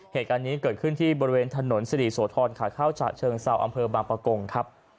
เหตุการณ์นี้เกิดขึ้นที่บริเวณถนนสรีสตรีโทรลขาดเข้าจากเชิงซาวว์อำเภอบังปะกงครับ